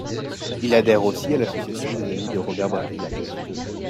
Il adhère aussi à l'Association des amis de Robert Brasillach.